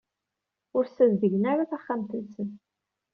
Ur ssazedgen ara taxxamt-nsen.